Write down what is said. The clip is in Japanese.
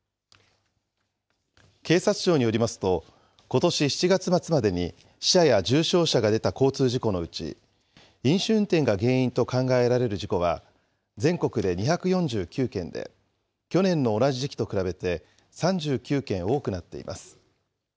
警察庁によりますと、ことし７月末までに死者や重傷者が出た交通事故のうち、飲酒運転が原因と考えられる事故は全国で２４９件で、去年の同じ時期と比べて、３９件多くなっています。